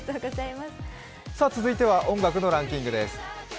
続いては音楽のランキングです。